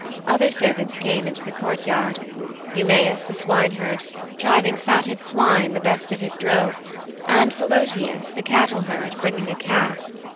Other servants came into the courtyard Eumæus the swineherd, driving fatted swine, the best of his drove, and Philœtius the cattle herd bringing a calf.